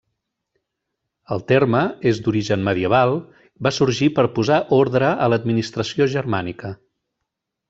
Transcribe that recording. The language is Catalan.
El terme és d'origen medieval, va sorgir per posar ordre a l'administració germànica.